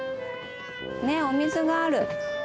ねえお水がある。